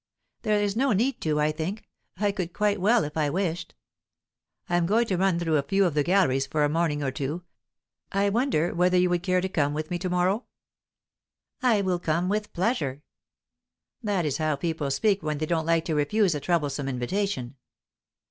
"There is no need to, I think. I could quite well, if I wished." "I am going to run through a few of the galleries for a morning or two. I wonder whether you would care to come with me to morrow?" "I will come with pleasure." "That is how people speak when they don't like to refuse a troublesome invitation."